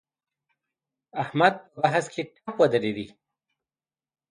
احمد په بحث کې ټپ ودرېد.